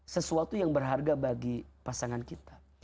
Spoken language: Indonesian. sesuatu yang berharga bagi pasangan kita